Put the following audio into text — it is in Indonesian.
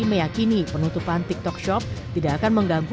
meyakini penutupan tiktok shop tidak akan mengganggu